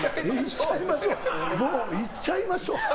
もう逝っちゃいましょう。